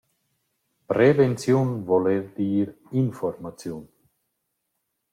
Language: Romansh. Prevenziun voul dir eir infuormaziun.